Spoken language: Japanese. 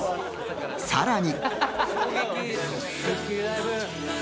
さらに。